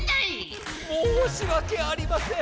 もうしわけありません！